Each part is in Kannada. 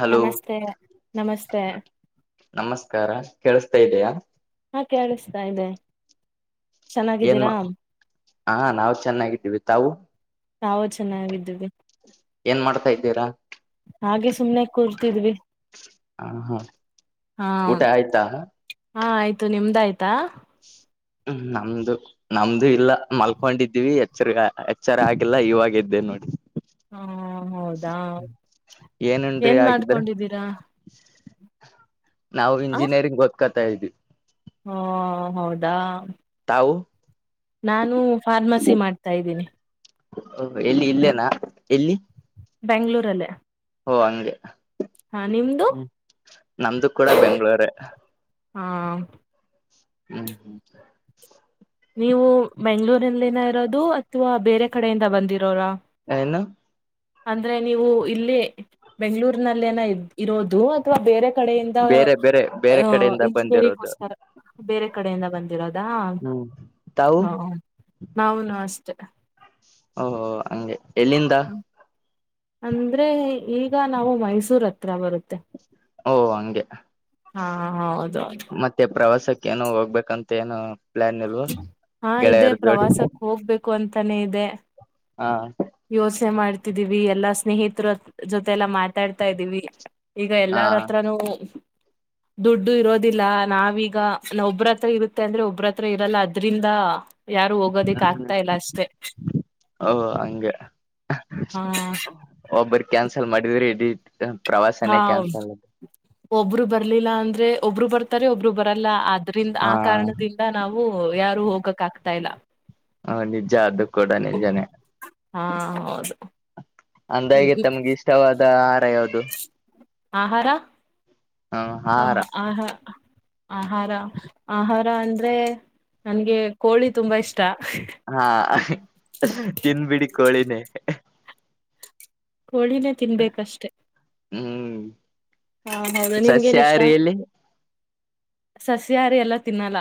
ಹಲೋ ನಮಸ್ತೆ ನಮಸ್ತೆ ನಮಸ್ಕಾರ ಕೇಳ [unintelligible] ಹಾ ಕೇಳಿಸ್ತಾ ಇದೆ ಏನ್ ಚೆನ್ನಾಗಿದ್ದೀರಾ ಹ ನಾವು ಚೆನ್ನಾಗಿದ್ದೀವಿ ತಾವು [unintelligible] ನಾವು ಚೆನ್ನಾಗಿದ್ದವಿ. ಏನ್ ಮಾಡ್ತಾ ಇದ್ದೀರಾ. ಹಾಗೆ ಸುಮ್ನೆಾಗ ಕೂರ್ತಿದ್ವಿ ಹಾ ಹಾ ಹಾ ಊಟ ಆಯ್ತಾ. ಹಾ ಆಯ್ತು ನಿಮ್ದ ಆಯ್ತಾ. ಹ್ಮ್ ನಮ್ದು ನಮ್ದು ಇಲ್ಲ ಮಲ್ಕೊಂಡಿದ್ದೀವಿ ಎಚ್ಚರಿ ಎಚ್ಚರ ಆಗಿಲ್ಲ ಇವಾಗ ಇದ [unintelligible] ನೋಡಿ ಹಾ ಹೌದಾ ಏನುಂಡ್ರಿ ಏನ್ ಆಗಿದ್ರೆ ಮಾಡ್ಕೊಂಡಿದ್ದೀರಾ. ನಾವು ಆ ಇಂಜಿನಿಯರಿಂಗ್ ಗೊದ್ಕೋತಾ ಇದ್ವಿ. ಹಾ ಹೌದಾ [unintelligible] ನಾನು ಫಾರ್ಮಸಿ ಮಾಡ್ತಾ ಇದ್ದೀನಿ. ಎಲ್ಲಿ ಇಲ್ಲೇನಾ ಎಲ್ಲಿ ಬೆಂಗಳೂರಲ್ಲೇ ಓ ಹಂಗೆ ನಮ್ದು ಕೂಡ ಬೆಂಗಳೂರೆ ಹಾ ಹ್ಮ್ ಹ್ಮ್ ನೀವು ಬೆಂಗಗಳೂರಿನಲ್ಲಿನ ಇರೋದು ಅಥವಾ ಬೇರೆ ಕಡೆಯಿಂದ ಬಂದ ಹಲೋ ಅಂದ್ರೆ ನೀವು ಇಲ್ಲಿ ಬೆಂಗ್ಗಳೂರ್ನಲ್ಲೇನ ಇರೋದು ಅಥ್ವಾ ಬೇರೆ ಕಡೆಯಿಂದ ಬೇರೆ ಬೇರೆ ಬೇರೆ ಕಡೆಯಿಂದ ಇಂಜಿನಿಯರಿಂಗ್ ಬಂದಿರೋದು ಗೋಸ್ಕರ ಬೇರೆ ಕಡೆಯಿಂದ ಬಂದಿರೋದಾ ಹ್ಮ್ ತಾವು ಹ ನಾವುನು ಅಷ್ಟೆ ಓ ಹಂಗೆ ಎಲ್ಲಿಂದ ಹ ಅಂದ್ರೆ ಈಗ ನಾವು ಮೈಸೂರ್ ಹತ್ರ ಬರುತ್ತೆ ಓ ಹಂಗೆ ಹಾ ಹೌದು ಮತ್ತೆ ಪ್ರವಾಸಕ್ಕ ಏನು ಹೋಗ್ಬೇಕಂತ ಏನು ಪ್ಲಾನ್ ಇಲ್ವಾ ಹಾ ಇದೆ ಗೆಳೆಯರ ಜೋಡಿ ಪ್ರವಾಸಕ್ ಹೋಗ್ಬೇಕು ಅಂತಾನೇ ಇದೆ ಹಾ ಯೋಚನೆ ಮಾಡ್ತಿದೀವಿ ಎಲ್ಲಾ ಸ್ನೇಹಿತರ ಜೊತೆ ಎಲ್ಲಾ ಮಾತಾಡ್ತಾ ಇದ್ದೀವಿ ಈಗ ಎಲ್ಲಾರ ಹತ್ರನೂ ದುಡ್ಡು ಇರೋದಿಲ್ಲ ನಾವೀಗ ನ ಒಬ್ರತ್ರ ಇರುತ್ತೆ ಅಂದ್ರೆ ಒಬ್ರತ್ರ ಇರಲ್ಲ ಅದ್ರಿಂದ ಯಾರು ಹೋಗೋದಿಕ್ ಹ್ಮ್ ಆಗ್ತಾ ಇಲ್ಲ ಅಷ್ಟೆ ಹಂಗ ಹ ಒಬ್ಬರು ಕ್ಯಾನ್ಸಲ್ ಮಾಡಿದ್ರಿ ಇಡಿ ಪ್ರವಾಸನೆ ಹಾ ಕ್ಯಾನ್ಸಲ್ ಒಬ್ರು ಬರ್ಲಿಲ್ಲ ಅಂದ್ರೆ ಒಬ್ಬರು ಬರ್ತಾರೆ ಒಬ್ರು ಬರಕ್ ಲ್ಲ ಆದ್ರಿಂದ ಆ ಹಾ ಕಾರಣದಿಂದ ನಾವು ಯಾರು ಹೋಗಕ್ ಆಗ್ತಾ ಇಲ್ಲ ಹ ನಿಜ ಆದ ಕೂಡ ನಿಜಾನೇ ಹಾ ಹೌದು ಹ್ಮ್ ಅಂದಾಗಿ ಹ್ಮ್. ತಮ್ಗೆ ಇಷ್ಟವಾದ ಯಾವುದು ಆಹಾರ ಹ ಹಾ ಆಹಾರ ಹ ಹ ಹಾ ಆಹಾರ ಆಹಾರ ಅಂದ್ರೆ ನನ್ಗೆ ಕೋಳಿ ತುಂಬಾ ಇಷ್ಟ ಹಾ ತಿನ್ಬಿಡಿ ಕೋಳಿನೇ ಕೋಳಿನೇ ತಿನ್ಬೇಕಷ್ಟೆ ಹ್ಮ್ ಹಾ ಹೌದು ನಿಮಗೇನು ಇಷ್ಟ ಸಸ್ಯಾಹಾರಿಯಲ್ಲಿ ಸಸ್ಯಾಹಾರಿ ಎಲ್ಲ ತಿನ್ನಲ್ಲ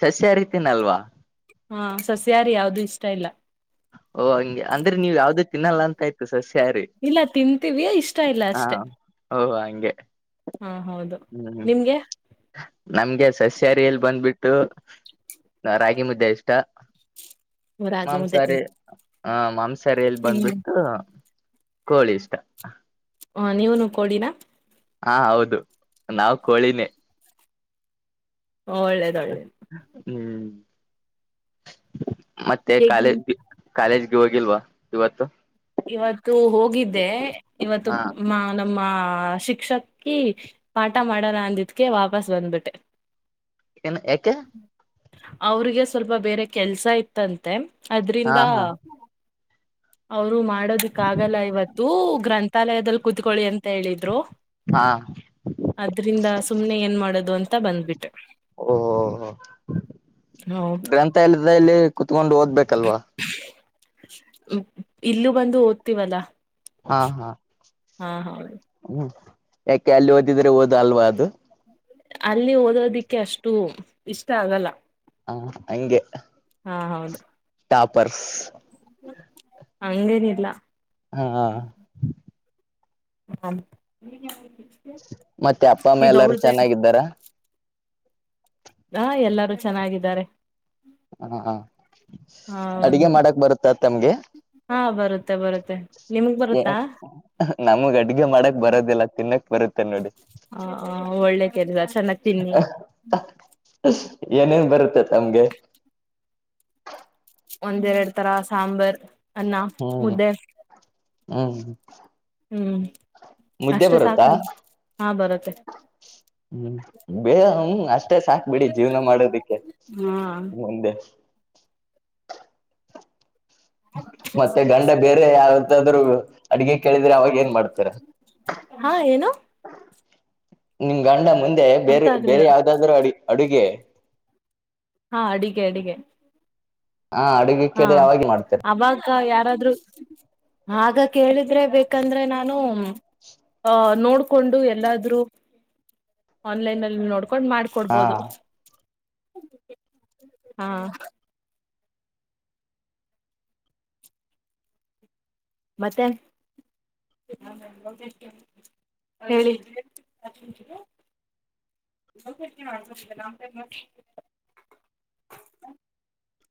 ಸಸ್ಯಾಹಾರಿ ತಿನ್ನಲ್ವಾ ಹಾ ಸಸ್ಯಾರಿ ಯಾವ್ದು ಇಷ್ಟ ಇಲ್ಲ ಓ ಹಂಗೆ ಅಂದ್ರೆ ನೀವು ಯಾವ್ದೂ ತಿನ್ನಲ್ಲ ಅಂತಯ್ತು ಸಸ್ಯಾರಿ ಇಲ್ಲ ತಿಂತೀವಿಯ ಇಷ್ಟ ಇಲ್ಲ ಅಷ್ಟೇ ಓ ಹಂಗೆ ಹ್ಮ್ ನಿಮ್ಗೆ ನಮ್ಗೆ ಸಸ್ಯಾರಿ ಅಲ್ಲಿ ಬಂದ್ಬಿಟ್ಟು ನ ರಾಗಿ ಮುದ್ದೆ ಇಷ್ಟ ರಾಗಿ ಮುದ್ದೆ ಹ ಮಾಂಸಹಾರಿ ಅಲ್ಲಿ ತಿಂತೀವಿ ಬಂದ್ಬಿಟ್ಟು ಕೋಳಿ ಇಷ್ಟ ಹ ನೀವನು ಕೋಳಿನ ಹಾ ಹೌದು ನಾವ್ ಕೋಳಿನೇ ಒಳ್ಳೇದು ಒಳ್ಳೇದು ಹ್ಮ್ ಮತ್ತೆ ಹೇಗ್ ಕಾಲೇಜ್ ಕಾಲೇಜ್ ಇ ಹೋಗಿಲ್ವಾ ಇವತ್ತು ಇವತ್ತು ಹೋಗಿದ್ದೆ ಇವತ್ತು ಹಾ ಮಾ ನಮ್ಮ ಆ ಶಿಕ್ಷಕಿ ಪಾಠ ಮಾಡಲ್ಲ ಅಂದಿದಕೆ ವಾಪಸ್ ಬಂದ್ಬಿಟ್ಟೆ ಯಕೆ ಅವ್ರಿಗೆ ಸ್ವಲ್ಪ ಬೇರೆ ಕೆಲ್ಸ ಇತ್ತಂತೆ ಹಾ ಅದ್ರಿಂದ ಹಾ ಅವರು ಮಾಡೋದಕ್ಕಾಗಲ್ಲ ಇವತ್ತು ಗ್ರಂಥಾಲಯದಲ್ಲಿ ಕುತ್ಕೊಳ್ಳಿ ಅಂತ ಹೇಳಿದ್ರು. ಹಾ ಅದ್ರಿಂದ ಸುಮ್ನೆ ಏನ್ ಮಾಡೋದು ಅಂತ ಬಂದ್ಬಿಟ್ಟು. ಓಹೋಹ ಹೌದು ಗ್ರಂಥ ಎಲ್ಲದ ಇಲ್ಲಿ ಕುತ್ಕೊಂಡು ಓದ್ಬೇಕಲ್ವಾ. ಇಲ್ಲೂ ಬಂದು ಓದ್ತೀವಲ್ಲಾ. ಹಾ ಹಾ. ಹಾ ಹಾ. ಹ್ಮ್ ಯಾಕೆ ಅಲ್ಲಿ ಓದಿದರೆೆ ಓದು ಅಲ್ವಾ ಅದು. ಅಲ್ಲಿ ಓದೋದಿಕ್ಕೆ ಅಷ್ಟು ಇಷ್ಟ ಆಗಲ್ಲ. ಹ ಹಂಗೆ ಹಾ ಹೌದು ಟಾಪರ್. ಹಂಗೆನ್ ಇಲ್ಲಾ. ಹಾ. ಹಾ. ಮತ್ತೆ ಅಪ್ಪಮ್ಮ ಎಲ್ಲಾರ ಚೆನ್ನಾಗಿದ್ದಾರ. ಹಾ ಎಲ್ಲರೂ ಚೆನ್ನಾಗಿದ್ದಾರೆ. ಹಾ ಅಡಗೆ ಹೌದು ಮಾಡಕ್ ಬರುತ್ತ ತಮ್ಗೆ. ಹಾ ಬರುತ್ತೆ ಬರುತ್ತೆ ನಿಮಗ್ ಬರುತ್ತಾ ಏನ್ ನಮಗ್ ಅಡ್ಗೆ ಮಾಡಕ್ ಬರೋದಿಲ್ಲ ತಿನ್ನಕ್ ಬರತ್ತ. ಹ ಒಳ್ಳೆ ಕೆಲ್ಸ ಚೆನ್ನ. ಹ. [inaudible] ಏನೇನ್ ಬರುತ್ತೇ ತಮ್ಗೆ. ಒಂದ್ ಏರಡ್ ತರ ಸಾಂಬಾರ್ ಅನ್ನ ಹ್ಮ್ ಮುದ್ದೆ. ಹ್ಮ್ ಹ್ಮ್ ಮುದ್ದೆ ಅಷ್ಟೆ ಸಾಕಲ್ಲ ಹಾ ಬರುತ್ತೆ. ಹ್ಮ ಬೇಹಮ್ ಅಷ್ಟ. ಮತ್ತೆ ಸಾಕ್ಬಿಡಿ ಜೀವನ ಮಾಡೋದಿಕ್ಕೆ ಮುಂದೆ. ಮತ್ತೆ ಗಂಡ ಬೇರೆ ಯಾವತ್ತಾದ್ರು ಅಡ್ಗೆ ಕೇಳಿದ್ರೆ ಅವಾಗ ಏನ್ ಮಾಡ್ತೀರಾ. ಹಾ ಏನು. ನಿಮ್ ಗಂಡ ಮುಂದೆ ಅರ್ಥ ಬೇರೆ ಬೇರೆ ಆಗ್ಲಿಲ್ಲ ಯಾವ್ದಾದ್ರೂ ಅಡಿ ಅಡುಗೆ. ಹಾ ಅಡಿಗೆ ಅಡಿಗೆ. ಹಾ ಅಡುಗೆ ಹಾ ಕೇಳಿದ್ರೆ ಅವಾಗ ಮಾಡ್ತಾರೆ ಅವಾಗ ಯಾರಾದ್ರೂ. ಆಗ ಕೇಳಿದ್ರೆ ಬೇಕಂದ್ರೆ ನಾನು. ಅ ನೋಡ್ಕೊಂಡು ಎಲ್ಲಾದ್ರೂ ಆನ್ಲೈನ್ಲ್ಲಿ ನೋಡ್. ಕಕೊಂಡ್ ಹಾ ಮಾಡ್ಕೊಡ್ಬೋದು ಹಾ. ಮತ್ತೆ. ಹೇಳಿ. [inaudible]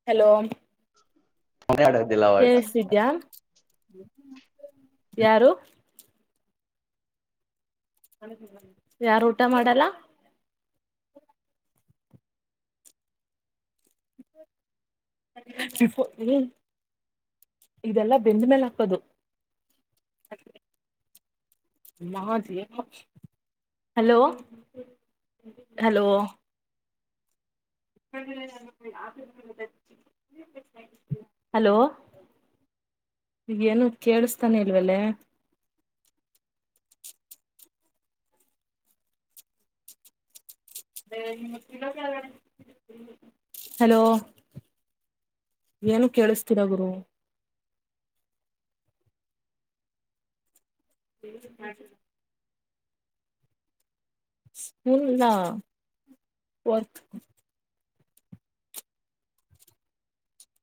ಹಲೋ. ಮಾಡೋದಿಲ್ಲ ಅವಾಗ ಕೆಳಸ್ತಿದಿಯ ಯಾರು. ಯಾರು ಊಟ ಮಾಡಲ್ಲ. [unintelligible] ಇದೆಲ್ಲಾ ಬೆಂದ ಮೇಲೆ ಹಾಕೋದು. ಮಹಾದೇವ. Hello hello. ಹಲೋ. ಈವ ಏನು ಕೇಳಿಸ್ತಾನೆ ಇಲ್ವಲೆ. [inaudible] ಹಲೋ. ಏನು ಕೇಳಿಸ್ತಿಲ್ಲ ಗುರು. ಹ್ಮ. [unintelligible] ಹ್ಮ ಇಲ್ಲ ವರ್ಥ್.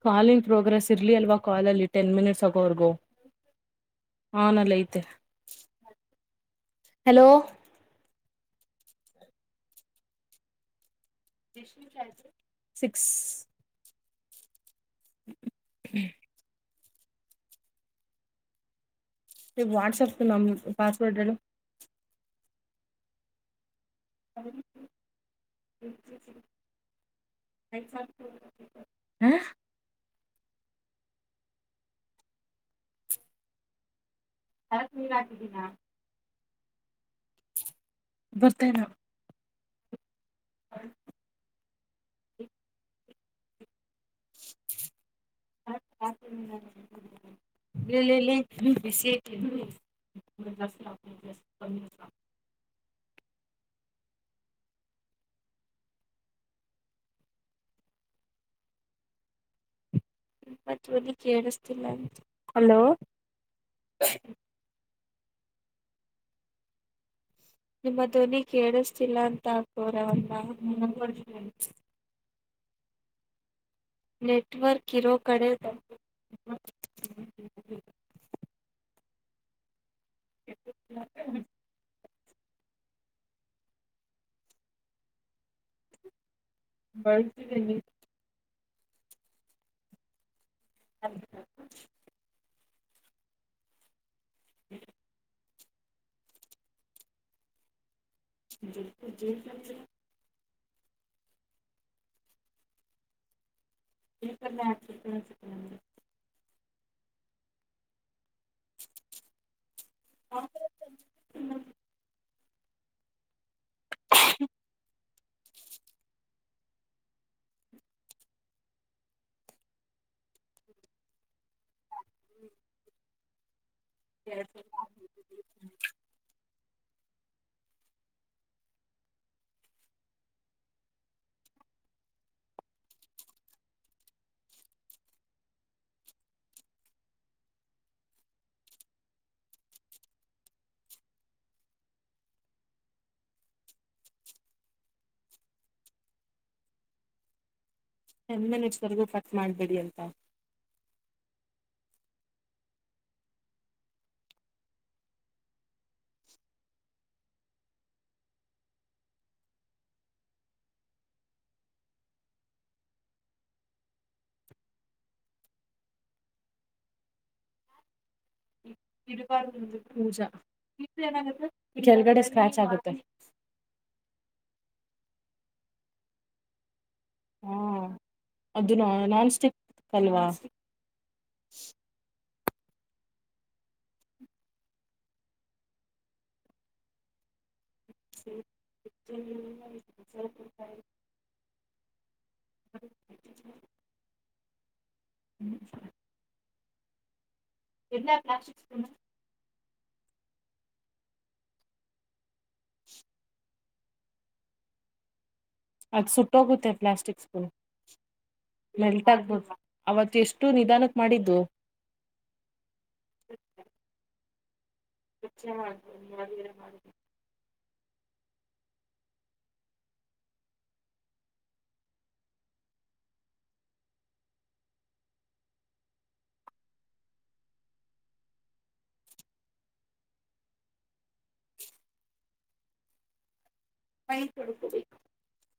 ಕಾಲಿಂಗ್ ಪ್ರೋಗ್ರೆಸ್ ಇರ್ಲಿ ಅಲ್ವಾ ಕಾಲಲ್ಲಿ ಟೆನ್ ಮಿನಿಟ್ಸ್ ಆಗೋವರ್ಗೋ. ಹಾ ನಲ್ಲ ಐತೆ. Hello six hmm WhatsApp- the number password ಹೇಳು [inaudible] ಹಾ ಬ್ಲಾಕೆಗಿ ಹಾಕಿದ್ದೀನಾ [inaudible] ಬರ್ತೇನೊ ಹ ಹ ಇಲ್ಲೇ ಎಲ್ಲೇ ಬಿಸಿ ಅಯ್ತಿ. ಕ [unintelligible] ಮತ್ತೇನು ಕೇಳಿಸ್ತಿಲ್ಲ ಅಂತ ಹಲೋ ನಿಮ್ಮ ಧ್ವನಿ ಕೇಳಿಸ್ತಿಲ್ಲ ಅಂತ ಬೊರ ಅವನ್ನ, [inaudible] ನೆಟ್ವರ್ಕ್ ಹಿರೋ ಕಡೆ, [inaudible] ಬ ಳಿತಿದಿನಿ ಹ ಹ್ಮ [unintelligible] ಇಲ್ಲ [unintelligible] [inaudible] [inaudible] ಹ್ಮ [inaudible] [inaudible] ಟೆನ್ ಮಿನಿಟ್ವರೆಗೂ ಕಟ್ ಮಾಡ್ಬಿಡಿ ಅಂತ. ಇರಬಾರದು ಪೂಜಾ ಇದ್ರೆ ಏನಾಗುತ್ತೆ ಈ ಕೆಲ್ಗಡೆ ಸ್ಕ್ರಾಚ್ ಆಗುತ್ತೆ. [inaudible] ಹಾ- ಅದು- ನಾ -ನಾನ್ಸ್ಟಿಕ್ ಅಲ್ವಾ. [inaudible] [inaudible] ಹ ಹ್ಮ್ [inaudible] ಎಲ್ಲ ಪ್ಲಾಸ್ಟಿಕ್ ನಾ [unintelligible] [inaudible] ಅದು ಸುಟ್ಟೋಗುತ್ತೆ ಪ್ಲಾಸ್ಟಿಕ್ ಸ್ಕೂಲ್, ಮೆಲ್ಟ್ ಆಗ್ಬೋದ ಅವತ್ ಎಷ್ಟು ನಿಧಾನಕ್ಕೆ ಮಾಡಿದ್ದು. ಹ [inaudible] ಚ ಮಾಡಿಯಾ ಮಾಡು ಮೈ ತೊಡಕಬೇಕ [unintelligible]